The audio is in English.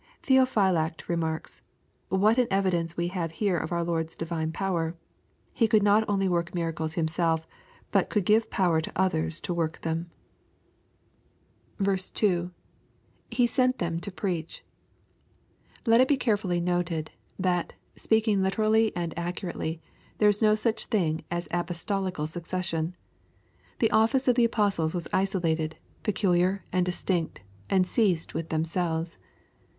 ] Theophylact remarks, what an evidence we have here of our Lord's divine power. He could not only work miracles Himael^ but could give pDwer to others to work them. LUKE, CHAP. IX. 295 2. ■—[£« 8ent (hem to preach.] Let it be carefully noted, that, speak ing literally and accurately, there is no such thing as apostolical succession. The ofl&ce of the apostles was isolated, peculiar and distinct, and ceased with themselves.